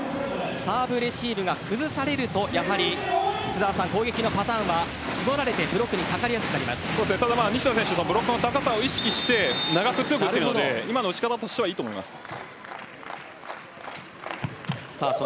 サーブレシーブが崩されるとやはり攻撃のパターンは絞られてブロックに西田選手ブロックの高さを意識して長く強く打っているので今の打ち方、いいと思います。